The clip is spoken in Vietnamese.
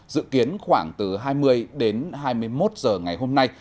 dự kiến khoảng từ hai mươi đến hai mươi một giờ ngày hôm nay